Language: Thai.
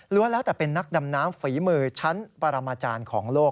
แล้วแต่เป็นนักดำน้ำฝีมือชั้นปรมาจารย์ของโลก